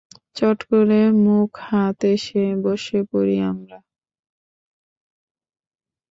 চট করে মুখহাত ধুয়ে এসো, বসে পড়ি আমরা।